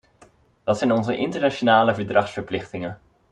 Dat zijn onze internationale verdragsverplichtingen.